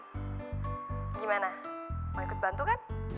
gimana mau ikut bantu kan